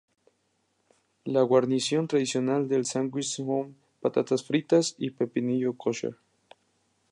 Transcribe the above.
La guarnición tradicional del sándwich son patatas fritas y pepinillo "kosher".